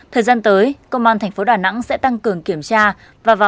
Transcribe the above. thời gian tới công an tp đà nẵng sẽ tăng cường kiểm tra và vào